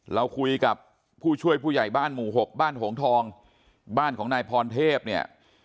เราคุยกับผู้ช่วยผู้ใหญ่บ้านหมู่หกบ้านโหงทองบ้านของนายพรเทพเนี่ย